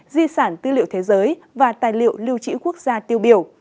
di sản tư liệu thế giới và tài liệu liêu chữ quốc gia tiêu biểu